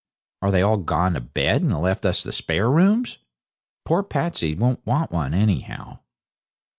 'Are they all gone to bed, and left us the spare rooms? Poor Patsey won't want one, anyhow.'